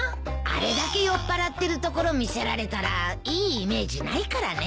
あれだけ酔っぱらってるところ見せられたらいいイメージないからね。